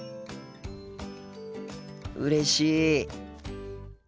うれしい。